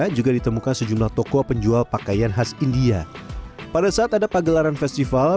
pedagang pakaian india dan warga lokal yang menjual pakaian khas india pada saat ada pagelaran festival